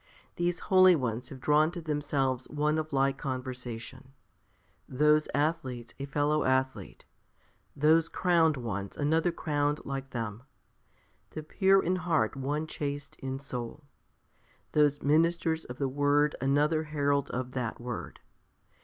These Holy ones have drawn to themselves one of like conversation; those athletes a fellow athlete; those crowned ones another crowned like them; the pure in heart one chaste in soul: those ministers of the Word another herald of that Word.